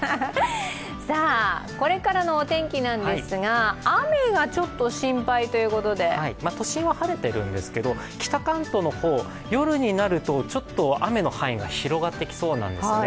これからのお天気なんですが都心は晴れているんですけれども、北関東の方、夜になると、ちょっと雨の範囲が広がってきそうなんですね。